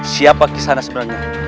siapa kisana sebenarnya